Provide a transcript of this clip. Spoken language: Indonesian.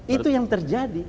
itu yang terjadi